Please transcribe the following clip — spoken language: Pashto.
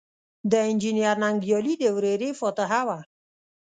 د انجنیر ننګیالي د ورېرې فاتحه وه.